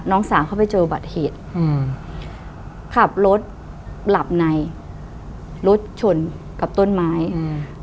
น้องสาวเขาไปเจอบัตรเหตุอืมขับรถหลับในรถชนกับต้นไม้อืม